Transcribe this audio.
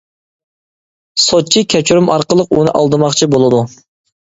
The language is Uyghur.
سوتچى كەچۈرۈم ئارقىلىق ئۇنى ئالدىماقچى بولىدۇ.